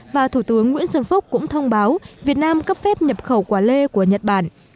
và thủ tướng nguyễn xuân phúc cũng thông báo việt nam cấp phép nhập khẩu quả lê của nhật bản